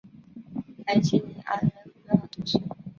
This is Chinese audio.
莱济尼昂人口变化图示